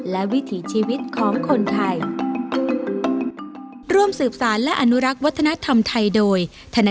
และวิถีชีวิตของคนไทย